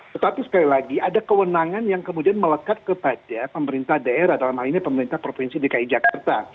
tetapi sekali lagi ada kewenangan yang kemudian melekat kepada pemerintah daerah dalam hal ini pemerintah provinsi dki jakarta